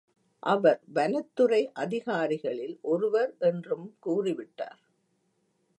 அவர் வனத்துறை அதிகாரிகளில் ஒருவர் என்றும் கூறிவிட்டார்.